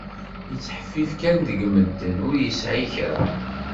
Yettheffif kan deg medden, ur yesɛi kra.